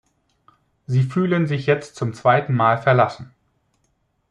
Sie fühlen sich jetzt zum zweiten Mal verlassen.